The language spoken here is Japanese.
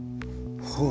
ほう。